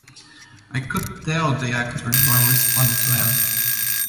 I could tell the actors weren't responding to him.